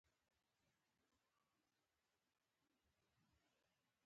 توجه زیاته وه.